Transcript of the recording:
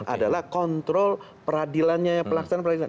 adalah kontrol peradilannya yang pelaksana